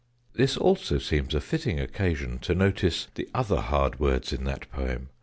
This also seems a fitting occasion to notice the other hard words in that poem.